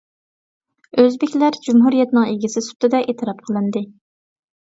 ئۆزبېكلەر جۇمھۇرىيەتنىڭ ئىگىسى سۈپىتىدە ئېتىراپ قىلىندى.